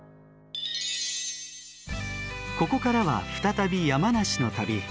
ここからは再び山梨の旅。